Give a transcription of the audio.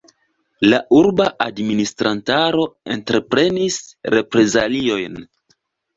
La urba administrantaro entreprenis reprezaliojn.